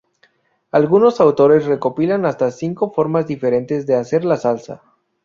Algunos autores recopilan hasta cinco formas diferentes de hacer la salsa.